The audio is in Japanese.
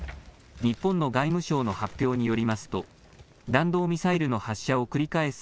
日本の外務省の発表によりますと弾道ミサイルの発射を繰り返す